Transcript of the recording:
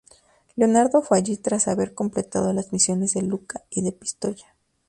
Leonardo fue allí tras haber completado las misiones de Lucca y de Pistoya.